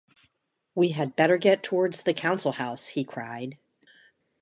“We had better get towards the Council House,” he cried.